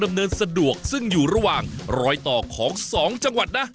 เนินสะดวกซึ่งอยู่ระหว่างรอยต่อของ๒จังหวัดนะ